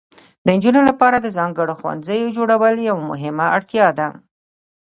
د نجونو لپاره د ځانګړو ښوونځیو جوړول یوه مهمه اړتیا ده.